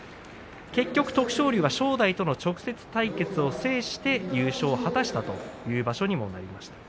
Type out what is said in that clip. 結局、徳勝龍が正代との直接対決を制して優勝を果たしたという場所にもなりました。